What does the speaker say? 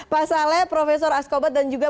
pak saleh profesor askobar dan juga